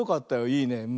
いいね。